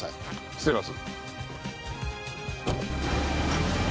失礼します。